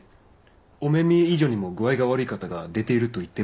御目見以上にも具合が悪い方が出ていると言ってましたよね。